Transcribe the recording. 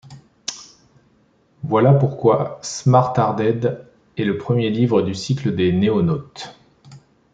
Voilà pourquoi « Smartarded » est le premier livre du cycle des Noénautes.